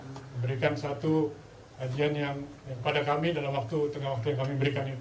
memberikan satu kajian yang pada kami dalam waktu tengah waktu yang kami berikan itu